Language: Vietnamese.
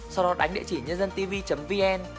sau đó đánh địa chỉ nhân dân tv vn